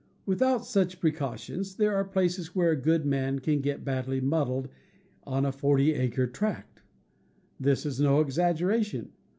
Without such precautions, there are places where a good man can get badly muddled in a forty acre tract. This is no exaggeration.